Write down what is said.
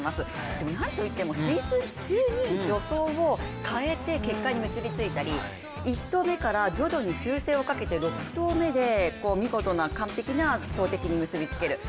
でも何といってもシーズン中に助走を変えて結果に結び付いたり１投目から徐々に修正をかけて、３投目で見事な完璧な投てきに結びつける。